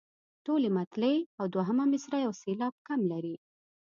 ټولې مطلعې او دوهمه مصرع یو سېلاب کم لري.